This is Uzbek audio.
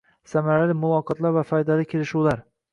Samarali muloqotlar va foydali kelishuvlar